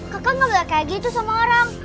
kakak gak boleh kayak gitu sama orang